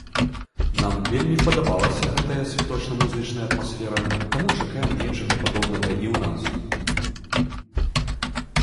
Нам вельмі падабалася гэтая святочна музычная атмасфера, таму чакаем нечага падобнага і ў нас.